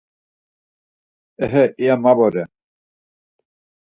Ehe iya ma vore.